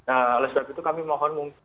oleh sebab itu kami mohon